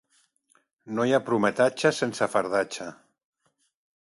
No hi ha prometatge sense fardatge.